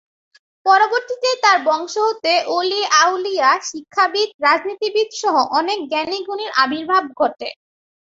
পরবর্তীতে তার বংশ হতে ওলী-আউলিয়া, শিক্ষাবিদ, রাজনীতিবিদ সহ অনেক জ্ঞানী-গুণীর আবির্ভাব ঘটে।